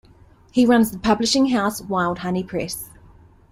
He runs the publishing house Wild Honey Press.